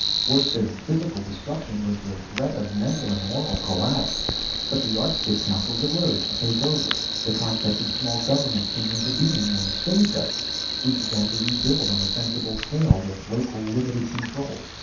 Worse than physical destruction was the threat of mental and moral collapse. But the Yardstick councils arose to take over. The concept of small government came into being and saved us. We began to rebuild on a sensible scale, with local, limited control.